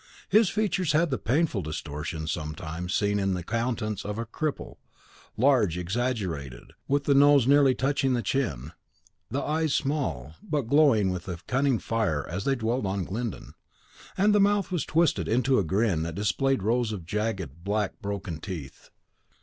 His features had the painful distortion sometimes seen in the countenance of a cripple, large, exaggerated, with the nose nearly touching the chin; the eyes small, but glowing with a cunning fire as they dwelt on Glyndon; and the mouth was twisted into a grin that displayed rows of jagged, black, broken teeth.